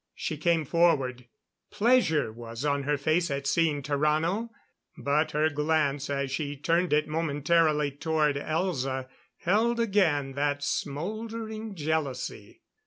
She came forward. Pleasure was on her face at seeing Tarrano; but her glance as she turned it momentarily toward Elza, held again that smouldering jealousy.